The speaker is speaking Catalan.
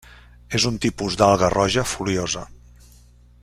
És un tipus d'alga roja foliosa.